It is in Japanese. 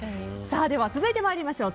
では続いてまいりましょう。